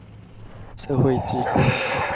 社會制度